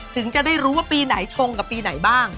ถึงจะได้รู้ว่าปีไหนชงกับปีไหนบ้าง